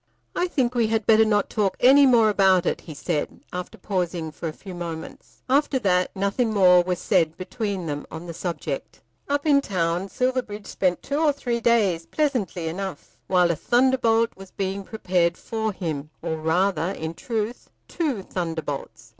"I think we had better not talk any more about it," he said, after pausing for a few moments. After that nothing more was said between them on the subject. Up in town Silverbridge spent two or three days pleasantly enough, while a thunderbolt was being prepared for him, or rather, in truth, two thunderbolts.